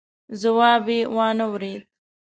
جواب يې وانه ورېد.